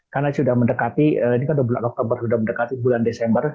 karena sudah mendekati ini kan dua belas oktober sudah mendekati bulan desember